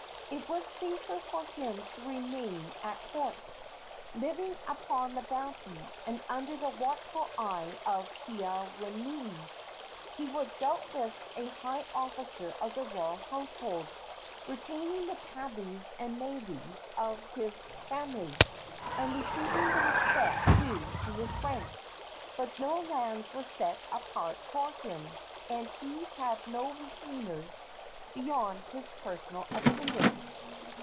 It was safer for him to remain at court, living upon the bounty and under the watchful eye of Keawenui. He was doubtless a high officer of the royal household, retaining the tabus and meles of his family, and receiving the respect due to his rank; but no lands were set apart for him, and he had no retainers beyond his personal attendants.